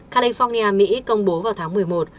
california mỹ công bố vào tháng một mươi một